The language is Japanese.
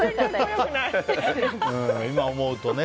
今思うとね。